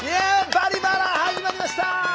「バリバラ」始まりました！